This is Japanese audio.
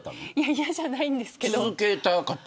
嫌じゃないんですけど。